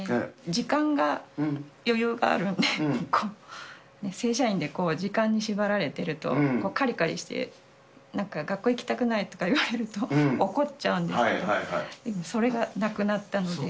時間が余裕があるんで、正社員で時間に縛られてると、かりかりして、なんか学校行きたくないとか言われると怒っちゃうんですけど、それがなくなったので。